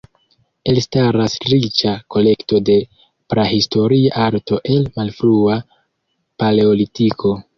Elstaras riĉa kolekto de prahistoria arto el Malfrua Paleolitiko.